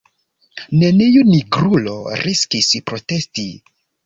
Neniu nigrulo riskis protesti.